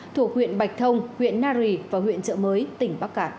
thuộc huyện bạch thông huyện nari và huyện trợ mới tỉnh bắc cạn